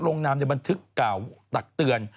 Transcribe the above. นามในบันทึกกล่าวตักเตือน